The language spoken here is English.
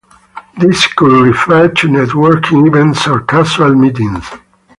This could refer to networking events or casual meetings.